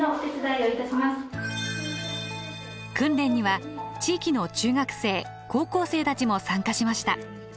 訓練には地域の中学生高校生たちも参加しました。